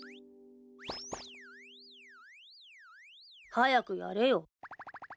早くやれよ。